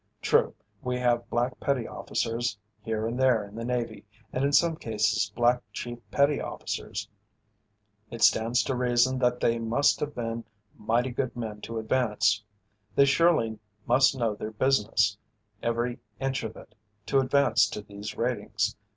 True, we have black petty officers here and there in the Navy, and in some cases black chief petty officers. It stands to reason that they must have been mighty good men to advance. They surely must know their business every inch of it to advance to these ratings.